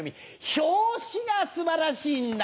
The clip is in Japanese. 表紙が素晴らしいんだ。